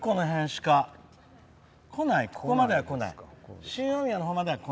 ここまでは来ない。